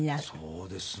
そうですね。